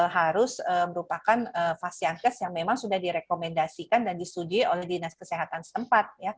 harus merupakan vaksin yang memang sudah direkomendasikan dan disuduhi oleh dinas kesehatan sempat